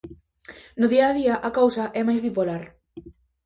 No día a día a cousa é máis bipolar.